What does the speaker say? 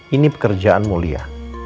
ini pekerjaan mulia